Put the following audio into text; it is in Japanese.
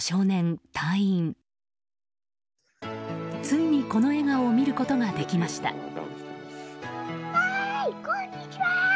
ついにこの笑顔を見ることができました。